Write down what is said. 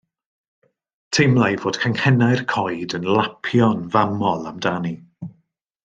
Teimlai fod canghennau'r coed yn lapio'n famol amdani.